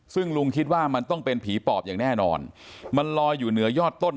ซึ่งลุงคิดว่ามันต้องเป็นผีปอบอย่างแน่นอนมันลอยอยู่เหนือยอดต้น